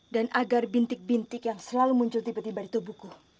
dan agar bintik bintik yang selalu muncul tiba tiba di tubuhku